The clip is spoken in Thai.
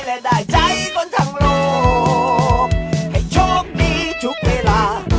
และได้ใจคนทั้งโลกให้โชคดีทุกเวลา